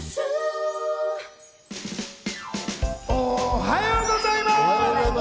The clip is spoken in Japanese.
おはようございます。